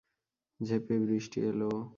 ঝেঁপে বৃষ্টি এলো।